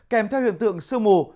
kèm theo hiện tượng sương mù